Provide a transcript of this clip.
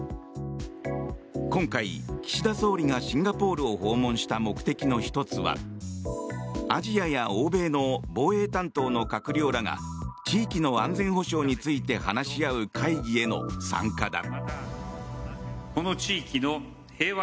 今回、岸田総理がシンガポールを訪問した目的の１つはアジアや欧米の防衛担当の閣僚らが地域の安全保障について話し合う会議への参加だ。